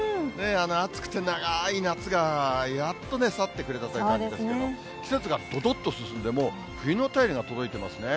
暑くて長ーい夏がやっとね、去ってくれたという感じですけれども、季節がどどっと進んで、もう、冬の便りが届いていますね。